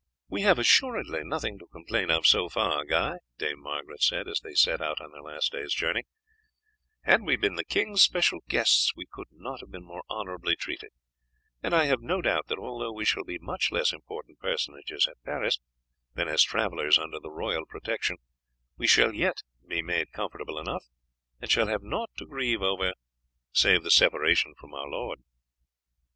"We have assuredly nothing to complain of so far, Guy," Dame Margaret said, as they set out on their last day's journey; "had we been the king's special guests we could not have been more honourably treated, and I have no doubt that although we shall be much less important personages at Paris than as travellers under the royal protection, we shall yet be made comfortable enough, and shall have naught to grieve over save the separation from our lord."